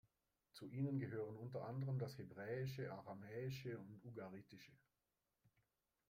Zu ihnen gehören unter anderem das Hebräische, Aramäische und Ugaritische.